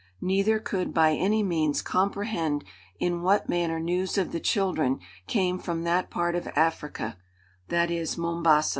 Neither could by any means comprehend in what manner news of the children came from that part of Africa, that is, Mombasa.